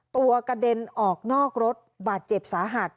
กระเด็นออกนอกรถบาดเจ็บสาหัส